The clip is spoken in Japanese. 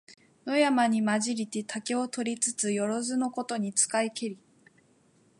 野山にまじりて竹を取りつ、よろづのことに使いけり。